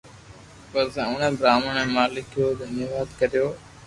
پسي اوڻي براھمڻ اي مالڪ رو دھنيواد ڪريو